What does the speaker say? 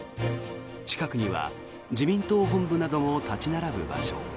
近くには自民党本部なども立ち並ぶ場所。